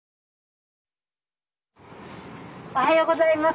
おはようございます。